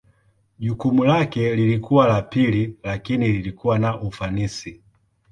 Jukumu lake lilikuwa la pili lakini lilikuwa na ufanisi.